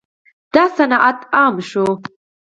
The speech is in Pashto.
دا صنعت عام شو.